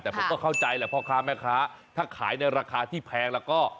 แต่ผมก็เข้าใจแหละพ่อค้าแม่ค้าถ้าขายในราคาที่แพงแล้วก็